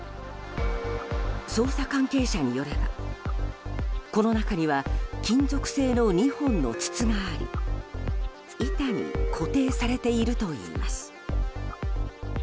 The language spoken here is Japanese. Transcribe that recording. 捜査関係者によれば、この中には金属製の２本の筒があり板に固定されているといいます。